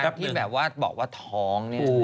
ที่แบบว่าบอกว่าท้องเนี่ย